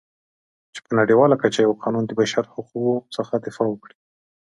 چې په نړیواله کچه یو قانون د بشرحقوقو څخه دفاع وکړي.